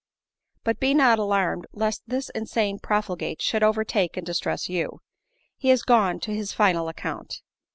But be not alarmed lest this insane profli gate should overtake and distress you. He is gone to his final account.